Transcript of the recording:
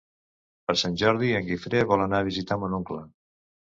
Per Sant Jordi en Guifré vol anar a visitar mon oncle.